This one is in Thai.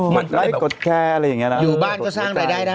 อยู่บ้านก็สร้างรายได้